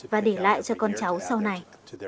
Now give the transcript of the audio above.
và để lại cho con cháu sau này